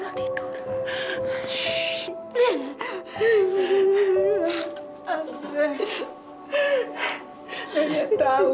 cuman itu baru berat buat kamu